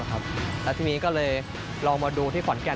แล้วทีนี้ก็เลยลองมาดูที่ขอนแก่น